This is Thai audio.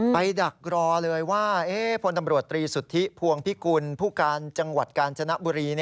ไปดักรอเลยว่าพตสตพพกจกจบ